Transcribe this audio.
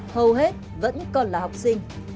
hầu hết vẫn còn là học sinh